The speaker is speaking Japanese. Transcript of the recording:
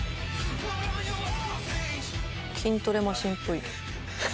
筋トレマシーンっぽいけど。